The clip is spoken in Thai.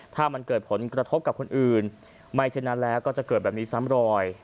ถ้ามันเกิดผลกระทบกับคนอื่นไม่เช่นนั้นแล้วก็จะเกิดแบบนี้ซ้ำรอย